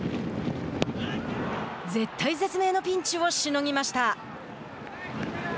絶体絶命のピンチをしのぎました。